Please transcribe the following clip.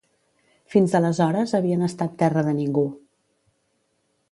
Fins aleshores havien estat terra de ningú.